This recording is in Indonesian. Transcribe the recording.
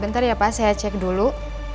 bentar ya pak saya cek dulu